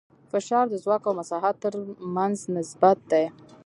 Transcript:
فشار د ځواک او مساحت تر منځ نسبت دی.